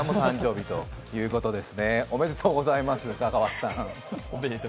おめでとうございます、香川さん。